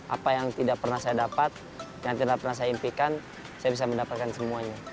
apa yang tidak pernah saya dapat yang tidak pernah saya impikan saya bisa mendapatkan semuanya